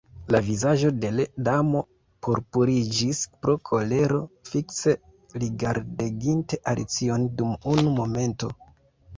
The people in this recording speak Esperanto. La vizaĝo de l' Damo purpuriĝis pro kolero; fikse rigardeginte Alicion dum unu momento